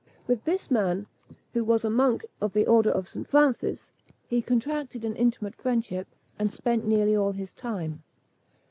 With this man, who was a monk of the order of St. Francis, he contracted an intimate friendship, and spent nearly all his time.